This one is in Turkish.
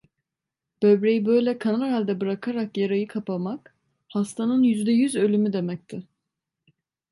Böbreği böyle kanar halde bırakarak yarayı kapamak, hastanın yüzde yüz ölümü demekti.